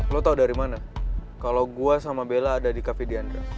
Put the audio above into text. lo tau dari mana kalo gue sama bella ada di cafe d'andrea